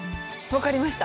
分かりました。